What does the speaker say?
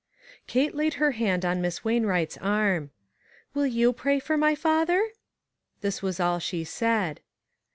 Kate laid her hand ou Miss Wainwright's arm : "Will 3'ou pray for my father?" This was all she said.